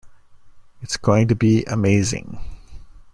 It's going to be amazing.